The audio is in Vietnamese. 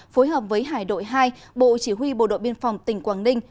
phối hợp với hải đội hai bộ chỉ huy bộ đội biên phòng tỉnh quảng ninh